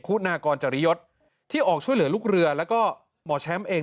คุณากรจริยศที่ออกช่วยเหลือลูกเรือแล้วก็หมอแชมป์เอง